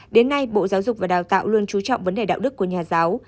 đến nay bộ giáo dục và đào tạo luôn trú trọng vấn đề đạo đức của nhà giáo